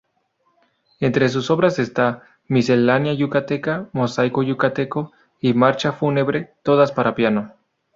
Entre sus obras está "Miscelánea Yucateca", "Mosaico Yucateco" y "Marcha Fúnebre", todas para piano.